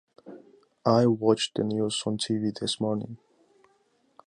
I watched the news on TV this morning.